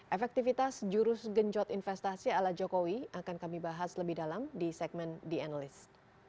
efektivitas jurus genjot investasi ala jokowi akan kami bahas lebih dalam di segmen the analyst